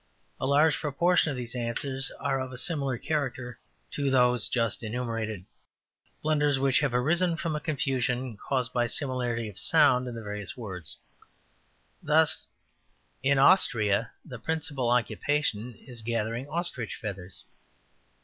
A large proportion of these answers are of a similar character to those just enumerated, blunders which have arisen from a confusion caused by similarity of sound in the various words, thus, ``In Austria the principal occupation is gathering Austrich feathers.''